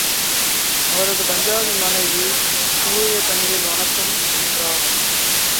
அவரது பஞ்சாபி மனைவி தூய தமிழில் வணக்கம் என்றார்.